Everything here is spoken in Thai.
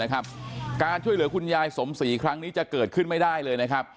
การช่วยเหลือคุณยายสมศรีครั้งนี้จะเกิดขึ้นไม่ได้เลยนะครับ